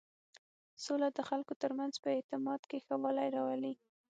سوله د خلکو تر منځ په اعتماد کې ښه والی راولي.